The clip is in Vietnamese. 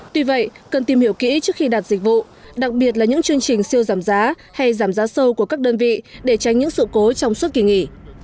tuy vậy cần tìm hiểu kỹ trước khi đặt dịch vụ đặc biệt là những chương trình siêu giảm giá hay giảm giá sâu của các đơn vị để tránh những sự cố trong suốt kỳ nghỉ